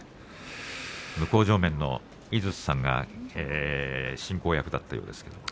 向正面の井筒さんが進行役だったようですね。